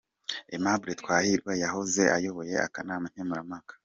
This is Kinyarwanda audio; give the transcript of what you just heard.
Aimable Twahirwa yahoze ayoboye akanama nkemurampaka.